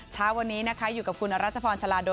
เฉาะวันนี้นะคะอยู่กับรัชพรฉลาโด